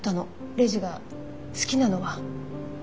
レイジが好きなのは拓真。